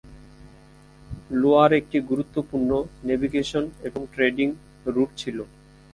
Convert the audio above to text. Lower একটি গুরুত্বপূর্ণ navigation এবং ট্রেডিং রুট ছিলো।